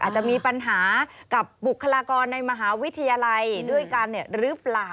อาจจะมีปัญหากับบุคลากรในมหาวิทยาลัยด้วยกันหรือเปล่า